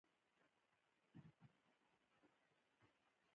جوزف زما نږدې ملګری و او ښه انسان و